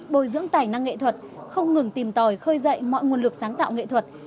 bồi dưỡng tài năng nghệ thuật không ngừng tìm tòi khơi dậy mọi nguồn lực sáng tạo nghệ thuật